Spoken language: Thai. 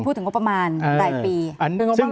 พูดถึงงบประมาณรายปี